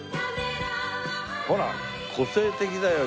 ほら個性的だよ。